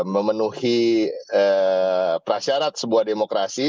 memenuhi prasyarat sebuah demokrasi